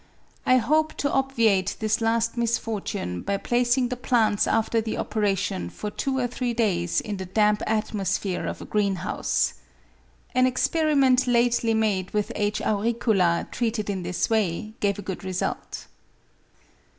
I hope to obviate this last misfortune by placing the plants after the operation for two or three days in the damp atmosphere of a greenhouse. An experiment lately made with H. Auricula treated in this way gave a good result.